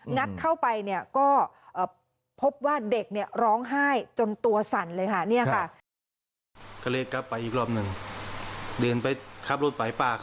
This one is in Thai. งัดเข้าไปก็พบว่าเด็กร้องไห้จนตัวสั่นเลยค่ะ